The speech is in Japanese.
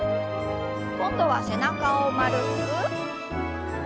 今度は背中を丸く。